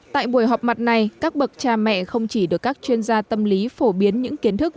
tại buổi họp mặt này các bậc cha mẹ không chỉ được các chuyên gia tâm lý phổ biến những kiến thức